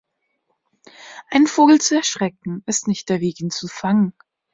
Einen Vogel zu erschrecken, ist nicht der Weg, ihn zu fangen.